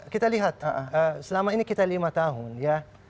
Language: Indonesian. kita lihat selama ini kita lima tahun ya